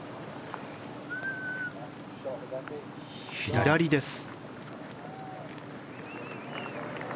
左です。